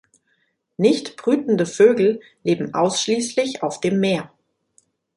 Nichtbrütende Vögel leben ausschließlich auf dem Meer.